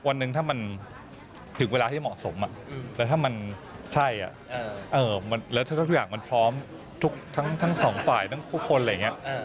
วันหนึ่งถ้ามันถึงเวลาที่เหมาะสมแล้วถ้ามันใช่แล้วถ้าทุกอย่างมันพร้อมทั้งสองฝ่ายทั้งทุกคนอะไรอย่างนี้